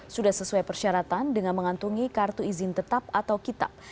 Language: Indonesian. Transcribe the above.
sudah sesuai persyaratan dengan mengantungi kartu izin tetap atau kitab